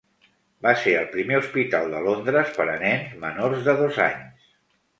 Va ser el primer hospital de Londres per a nens menors de dos anys.